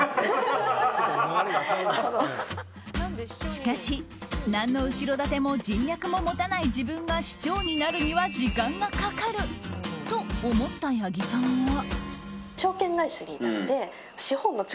しかし、何の後ろ盾も人脈も持たない自分が市長になるには時間がかかると思った八木さんは。